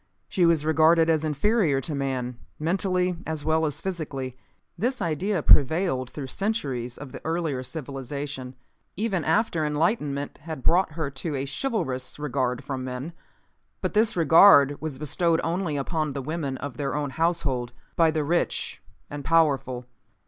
She was regarded as inferior to man, mentally as well as physically. This idea prevailed through centuries of the earlier civilization, even after enlightenment had brought to her a chivalrous regard from men. But this regard was bestowed only upon the women of their own household, by the rich and powerful.